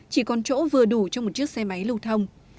chỉ còn chỗ vừa đủ cho một chiếc xe máy lưu thông